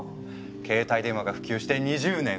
携帯電話が普及して２０年。